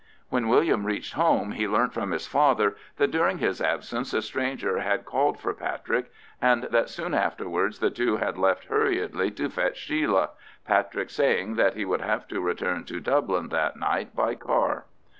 When William reached home he learnt from his father that during his absence a stranger had called for Patrick, and that soon afterwards the two had left hurriedly to fetch Sheila, Patrick saying that he would have to return to Dublin that night by car.